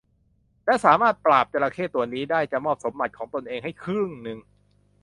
และสามารถปราบจระเข้ตัวนี้ได้จะมอบสมบัติของตนเองให้ครึ่งหนึ่ง